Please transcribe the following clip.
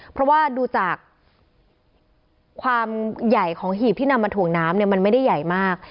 เพราะว่าดูจากความใหญ่ของหีบที่นำมาถ่วงน้ำเนี่ยมันไม่ได้ใหญ่มาก